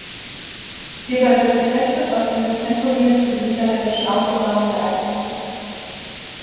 Hierbei wird getestet, ob dieses Tempolimit für die niederländischen Autobahnen geeignet ist.